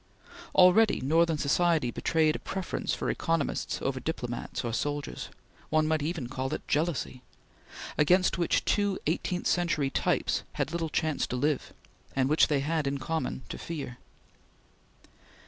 Already Northern society betrayed a preference for economists over diplomats or soldiers one might even call it a jealousy against which two eighteenth century types had little chance to live, and which they had in common to fear.